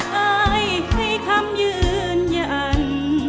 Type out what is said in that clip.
อายให้คำยืนยัน